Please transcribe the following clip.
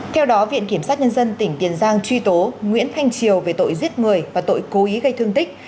theo đó viện kiểm sát nhân dân tỉnh tiền giang truy tố nguyễn thanh triều về tội giết người và tội cố ý gây thương tích